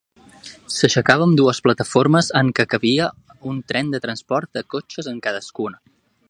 S'aixecava amb dues plataformes en què cabia un tren de transport de cotxes en cadascuna.